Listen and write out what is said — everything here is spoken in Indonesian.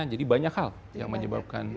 jadi banyak hal yang menyebabkan